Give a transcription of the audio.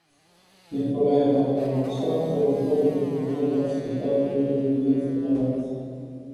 Nicolae bacalbașa, purtătorul de cuvânt al spitalului de urgență Galați.